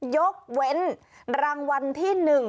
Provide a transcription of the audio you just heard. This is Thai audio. ยกเว้นรางวัลที่๑